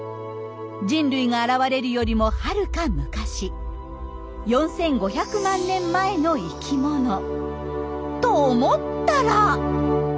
人類が現れるよりもはるか昔４，５００万年前の生きものと思ったら！